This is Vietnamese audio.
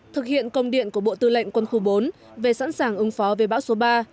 thực hiện công điện của bộ tư lệnh quân khu bốn về sẵn sàng ứng phó về bão số ba